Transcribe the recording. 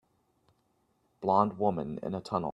Blond woman in a tunnel.